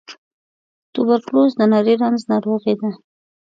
توبرکلوز د نري رنځ ناروغۍ ده.